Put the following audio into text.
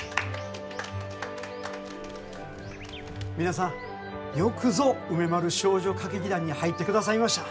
皆さんよくぞ梅丸少女歌劇団に入ってくださいました。